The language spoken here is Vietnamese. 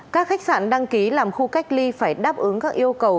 các khách sạn đăng ký làm khu cách ly phải đáp ứng các yêu cầu